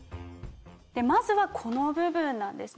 まずはこの部分なんですね。